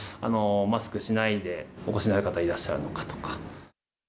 マスクしないでお越しになる方、いらっしゃるのかとか。